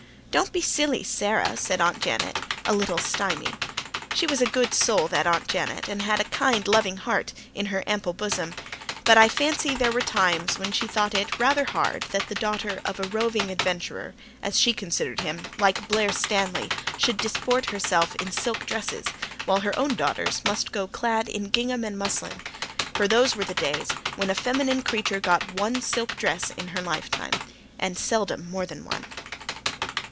"Don't be silly, Sara," said Aunt Janet, a little stimy. She was a good soul, that Aunt Janet, and had a kind, loving heart in her ample bosom. But I fancy there were times when she thought it rather hard that the daughter of a roving adventurer as she considered him like Blair Stanley should disport herself in silk dresses, while her own daughters must go clad in gingham and muslin for those were the days when a feminine creature got one silk dress in her lifetime, and seldom more than one.